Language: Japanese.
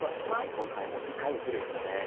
今回も２回ふるいですね。